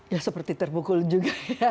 ya seperti terpukul juga ya